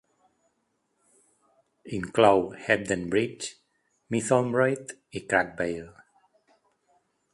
Inclou Hebden Bridge, Mytholmroyd i Cragg Vale.